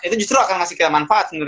itu justru akan ngasih kayak manfaat